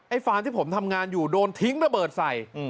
ฟาร์มที่ผมทำงานอยู่โดนทิ้งระเบิดใส่